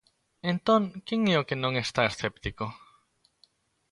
Entón, quen é o que non está escéptico?